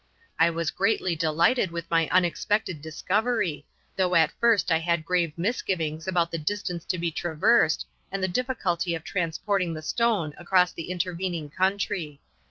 I was greatly delighted with my unexpected discovery, though at first I had grave misgivings about the distance to be traversed and the difficulty of transporting the stone across the intervening country.